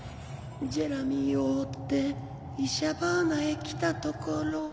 ジェラミーを追ってイシャバーナへ来たところ。